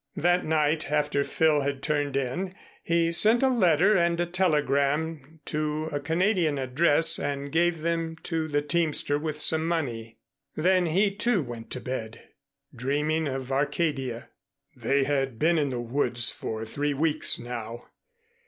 That night, after Phil had turned in, he sent a letter and a telegram to a Canadian address and gave them to the teamster with some money. Then he, too, went to bed dreaming of Arcadia. They had been in the woods for three weeks now.